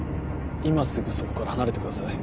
今すぐそこから離れてください。